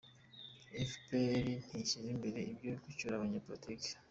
Efuperi ntishyize imbere ibyo gucyura abanyapolitiki